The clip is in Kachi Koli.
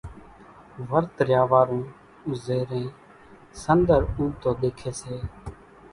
ورت ريا وارو زيرين سنۮر اُوڳتو ۮيکي سي،